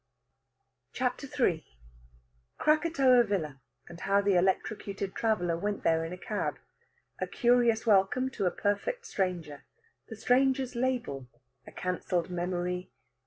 CHAPTER III KRAKATOA VILLA, AND HOW THE ELECTROCUTED TRAVELLER WENT THERE IN A CAB. A CURIOUS WELCOME TO A PERFECT STRANGER. THE STRANGER'S LABEL. A CANCELLED MEMORY.